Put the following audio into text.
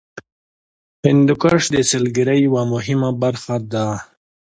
هندوکش د سیلګرۍ یوه مهمه برخه ده.